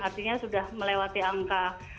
artinya sudah melewati angka